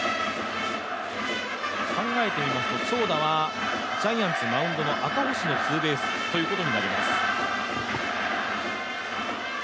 考えてみますと、長打はジャイアンツマウンドの赤星のツーベースヒットということになります。